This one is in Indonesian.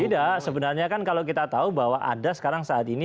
tidak sebenarnya kan kalau kita tahu bahwa ada sekarang saat ini